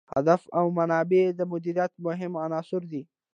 هدف او منابع د مدیریت مهم عناصر دي.